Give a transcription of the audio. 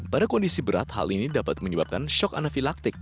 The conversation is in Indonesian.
pada kondisi berat hal ini dapat menyebabkan shock anafilaktik